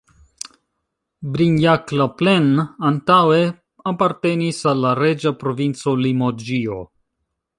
Brignac-la-Plaine antaŭe apartenis al la reĝa provinco Limoĝio.